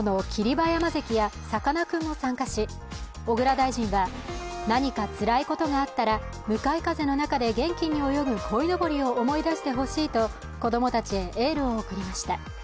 馬山関やさかなクンも参加し、小倉大臣は、何かつらいことがあったら、向かい風の中で元気に泳ぐこいのぼりを思い出してほしいと子供たちへエールを送りました。